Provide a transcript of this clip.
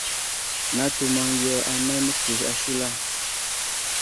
Natu maŋ yo anay məsliyo ashula.